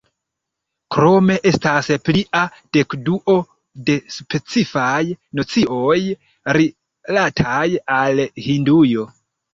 Krome estas plia dekduo de specifaj nocioj rilataj al Hindujo.